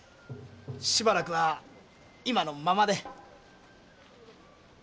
しばらくは今のままで。